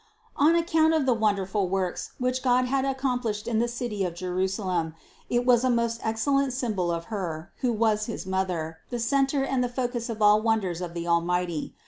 250. On account of the wonderful works, which God had accomplished in the city of Jerusalem, it was a most excellent symbol of Her, who was his Mother, the center and the focus of all wonders of the Almighty.